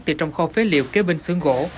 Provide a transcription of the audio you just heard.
từ trong kho phế liệu kế bên xướng gỗ